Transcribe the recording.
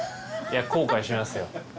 いや後悔しますよ。